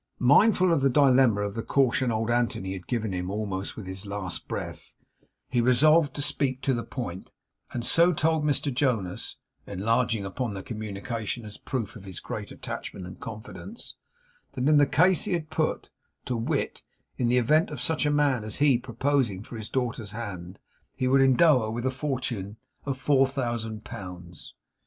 Mindful in this dilemma of the caution old Anthony had given him almost with his latest breath, he resolved to speak to the point, and so told Mr Jonas (enlarging upon the communication as a proof of his great attachment and confidence), that in the case he had put; to wit, in the event of such a man as he proposing for his daughter's hand, he would endow her with a fortune of four thousand pounds.